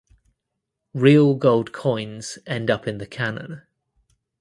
Real gold coins end up in the cannon.